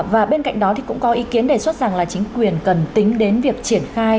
và bên cạnh đó thì cũng có ý kiến đề xuất rằng là chính quyền cần tính đến việc triển khai